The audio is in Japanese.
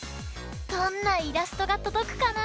どんなイラストがとどくかな？